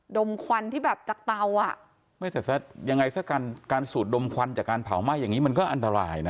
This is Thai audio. มควันที่แบบจากเตาอ่ะไม่แต่ยังไงซะกันการสูดดมควันจากการเผาไหม้อย่างนี้มันก็อันตรายนะ